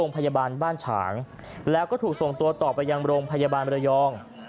พยาบาลบ้านฉางแล้วก็ถูกส่งตัวต่อไปยังโรงพยาบาลมรยอง